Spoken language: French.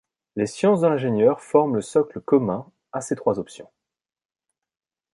Les sciences de l'ingénieur forment le socle commun à ces trois options.